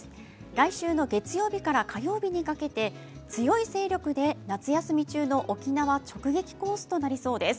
来週の月曜日から火曜日にかけて強い勢力で夏休み中の沖縄直撃コースとなりそうです。